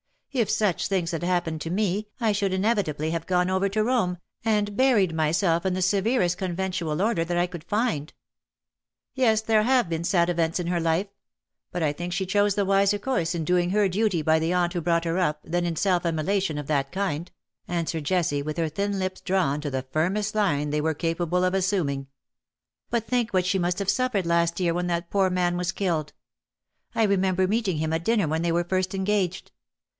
If such things had happened to me, I should inevitably have gone over to Rome, and buried myself in the severest conventual order that I could find/^ " Yes, there have been sad events in her life : but I think she chose the wiser course in doing her duty by the aunt who brougkt her up, than in self immolation of that kind/' answered Jessie, with her thin lips drawn to the firmest line they were capable of assuming. " But think what she must have suffered last year when that poor man was killed. I remember meeting him at dinner when they were first engaged.